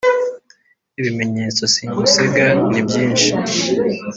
Ibimenyetso simusiga ni byinshi.